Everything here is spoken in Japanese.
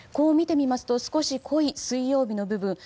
見てみますと少し濃い水曜日の部分